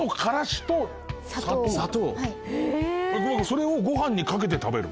それをご飯にかけて食べる？